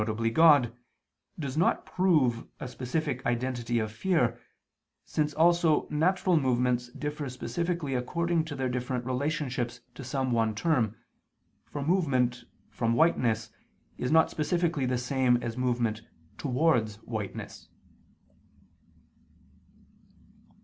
God, does not prove a specific identity of fear, since also natural movements differ specifically according to their different relationships to some one term, for movement from whiteness is not specifically the same as movement towards whiteness.